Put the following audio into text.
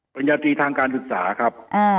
ญาตรีทางการศึกษาครับ